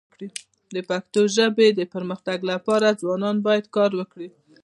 د پښتو ژبي د پرمختګ لپاره ځوانان باید کار وکړي.